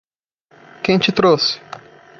Quem te trouxe?